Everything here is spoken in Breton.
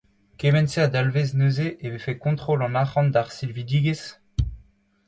Kement-se a dalvez neuze e vefe kontrol an arcʼhant d’ar silvidigezh ?